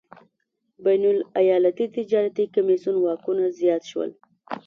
بین الایالتي تجارتي کمېسیون واکونه زیات شول.